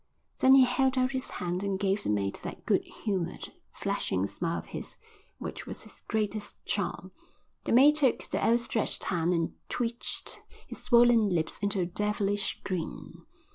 Then he held out his hand and gave the mate that good humoured, flashing smile of his which was his greatest charm. The mate took the outstretched hand and twitched his swollen lips into a devilish grin.